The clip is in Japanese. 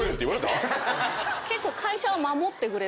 結構。